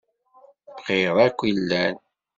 Bxiṛ akk i llan.